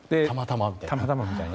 たまたま、みたいな。